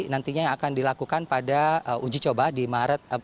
nantinya yang akan dilakukan pada uji coba di maret